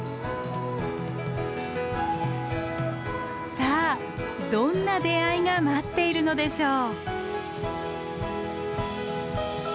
さあどんな出会いが待っているのでしょう。